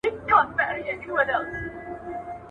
مُلایانو به زکات ولي خوړلای.